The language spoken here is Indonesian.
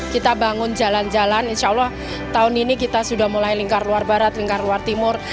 kita bangun jalan jalan insya allah tahun ini kita sudah mulai lingkar luar barat lingkar luar timur